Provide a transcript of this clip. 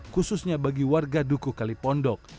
khususnya bagi warga duku kalipondok